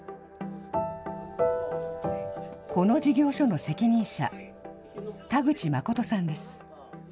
この事業所の責任者、田口誠さんです。